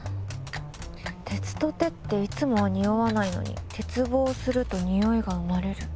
てつとてっていつもはにおわないのにてつぼうするとにおいがうまれる。